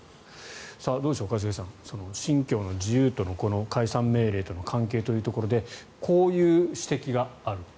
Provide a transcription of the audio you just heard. どうでしょう、一茂さん信教の自由と解散命令との関係ということでこういう指摘があると。